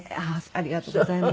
ありがとうございます。